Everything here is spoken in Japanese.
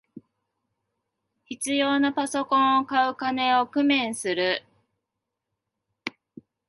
必要なパソコンを買う金を工面する